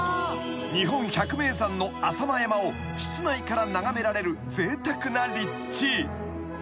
［日本百名山の浅間山を室内から眺められるぜいたくな立地］